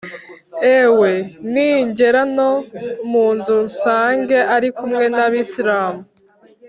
Ewe ningera no mu nzu nsange ari kumwe n'abasilimu